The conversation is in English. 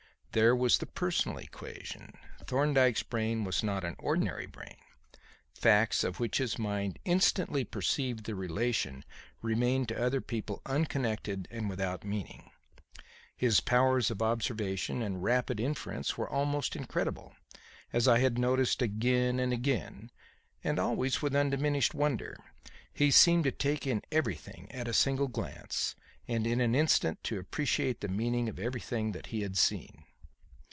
There was the personal equation. Thorndyke's brain was not an ordinary brain. Facts of which his mind instantly perceived the relation remained to other people unconnected and without meaning. His powers of observation and rapid inference were almost incredible, as I had noticed again and again, and always with undiminished wonder. He seemed to take in everything at a single glance and in an instant to appreciate the meaning of everything that he had seen.